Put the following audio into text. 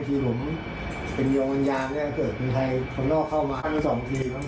เท่าไหร่คือที่เราออกก่อน